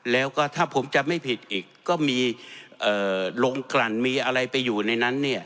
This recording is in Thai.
แล้วก็ถ้าผมจำไม่ผิดอีกก็มีลงกลั่นมีอะไรไปอยู่ในนั้นเนี่ย